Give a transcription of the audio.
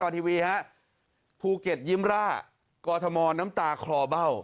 เทลโน้ทตาลทีวีครับภูเกฎยิ้มระกรถมอน้ำตาคลอเบ้า